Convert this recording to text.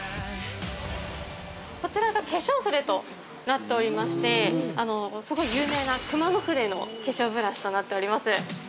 ◆こちらが化粧筆となっておりまして、すごい有名な熊野筆の化粧ブラシとなっております。